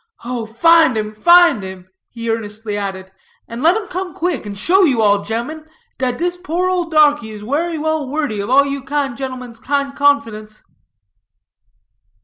Oh, find 'em, find 'em," he earnestly added, "and let 'em come quick, and show you all, ge'mmen, dat dis poor ole darkie is werry well wordy of all you kind ge'mmen's kind confidence."